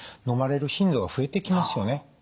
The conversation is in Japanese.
のまれる頻度が増えてきますよね。